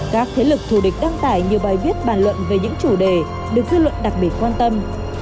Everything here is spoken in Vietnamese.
các thế lực thù địch đăng tải nhiều bài viết bàn luận về những chủ đề được dư luận đặc biệt quan tâm